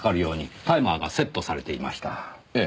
ええ。